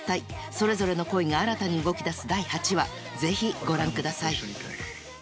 それぞれの恋が新たに動き出す第８話ぜひご覧ください